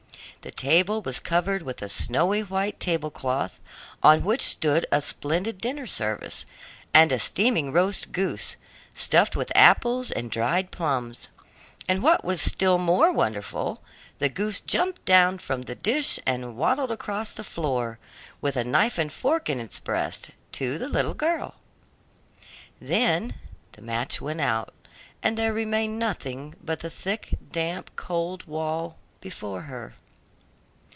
The table was covered with a snowy white table cloth, on which stood a splendid dinner service, and a steaming roast goose, stuffed with apples and dried plums. And what was still more wonderful, the goose jumped down from the dish and waddled across the floor, with a knife and fork in its breast, to the little girl. Then the match went out, and there remained nothing but the thick, damp, cold wall before her.